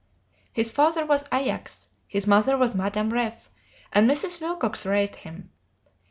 His father was Ajax, his mother was Madame Ref, and Mrs. Wilcox raised him.